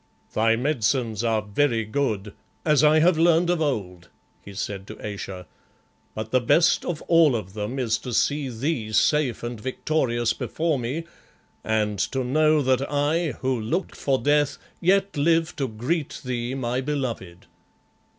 "Thy medicines are very good, as I have learned of old," he said to Ayesha; "but the best of all of them is to see thee safe and victorious before me, and to know that I, who looked for death, yet live to greet thee, my beloved.